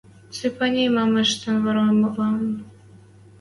Цыпани мам ӹштен Варварам